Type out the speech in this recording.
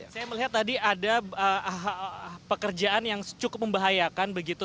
saya melihat tadi ada pekerjaan yang cukup membahayakan begitu